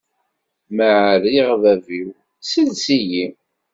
Ma ɛriɣ a bab-iw, ssels-iyi!